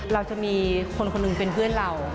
เราจะมีคนคนหนึ่งเป็นเพื่อนเรา